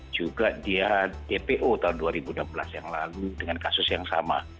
juga dia dpo tahun dua ribu enam belas yang lalu dengan kasus yang sama